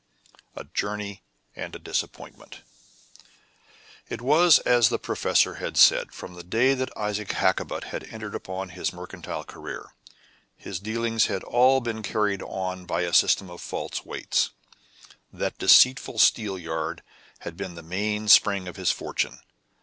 A JOURNEY AND A DISAPPOINTMENT It was as the professor had said. From the day that Isaac Hakkabut had entered upon his mercantile career, his dealings had all been carried on by a system of false weight. That deceitful steelyard had been the mainspring of his fortune.